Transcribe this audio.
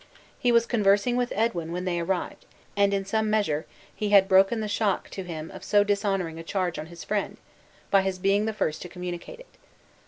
He was conversing with Edwin when they arrived; and, in some measure, he had broken the shock to him of so dishonoring a charge on his friend, by his being the first to communicate it.